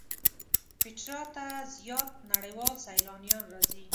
پېټرا ته زیات نړیوال سیلانیان راځي.